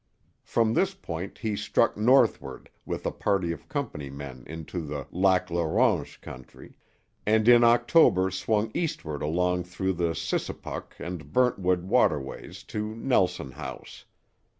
From this point he struck northward with a party of company men into the Lac La Ronge country, and in October swung eastward alone through the Sissipuk and Burntwood waterways to Nelson House.